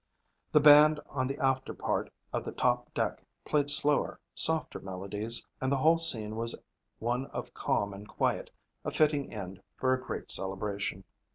The band on the after part of the top deck played slower, softer melodies and the whole scene was one of calm and quiet, a fitting end for a great celebration.